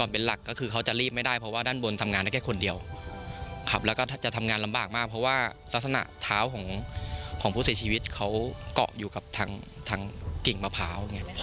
ผมทำมา๑๐กว่าปีเองนะ